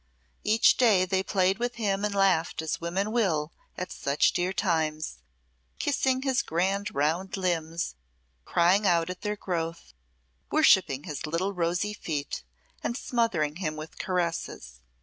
Each day they played with him and laughed as women will at such dear times, kissing his grand round limbs, crying out at their growth, worshipping his little rosy feet, and smothering him with caresses.